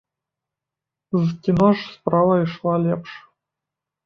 З кіно ж справа ішла лепш.